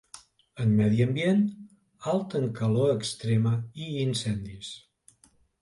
En medi ambient, alt en calor extrema i incendis.